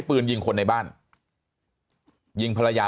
มีความรู้สึกว่า